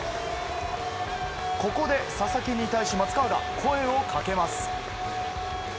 ここで佐々木に対し松川が声をかけます。